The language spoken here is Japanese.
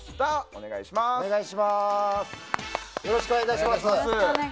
お願いします